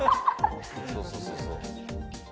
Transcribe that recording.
そうそうそうそう